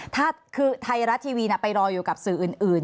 ถ้าคือไทยรัฐทีวีไปรออยู่กับสื่ออื่น